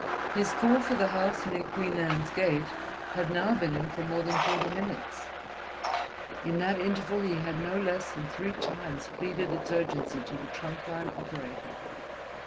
His call for the house near Queen Anne's Gate had now been in for more than forty minutes; in that interval he had no less than three times pleaded its urgency to the trunk line operator.